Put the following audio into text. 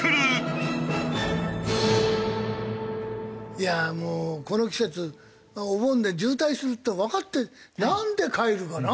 いやあもうこの季節お盆で渋滞するってわかってなんで帰るかな？